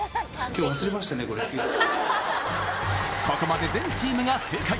今日ここまで全チームが正解！